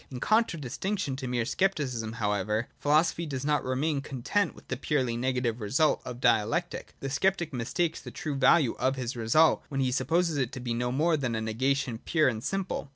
In contradistinction to mere Scepticism, however, philosophy does not remain content with the purely negative result of 152 LOGIC DEFINED AND DIVIDED. [Si, 82. Dialectic. The sceptic mistakes the true value of his result, when he supposes it to be no more than a negation pure and simple.